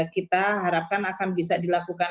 kita harapkan akan bisa dilakukan